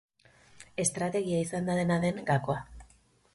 Estrategia izan da, dena den, gakoa.